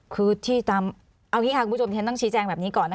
คือที่ตามโอเคค่ะคุณผู้ชมฉันต้องชี้แจ้งแบบนี้ก่อนนะคะ